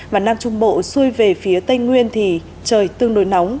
và nam trung bộ xuôi về phía tây nguyên thì trời tương đối nóng